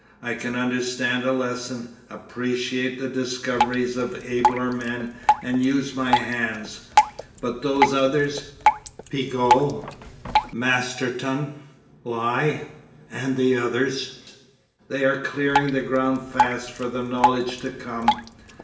I can understand a lesson, appreciate the discoveries of abler men and use my hands, but those others, Pigou, Masterton, Lie, and the others, they are clearing the ground fast for the knowledge to come.